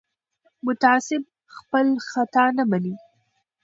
متعصب خپل خطا نه مني